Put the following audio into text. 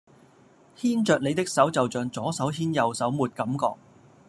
牽著你的手就象左手牽右手沒感覺